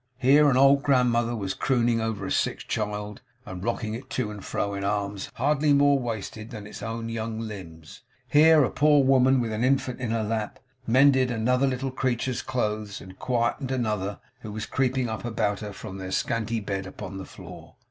Here an old grandmother was crooning over a sick child, and rocking it to and fro, in arms hardly more wasted than its own young limbs; here a poor woman with an infant in her lap, mended another little creature's clothes, and quieted another who was creeping up about her from their scanty bed upon the floor.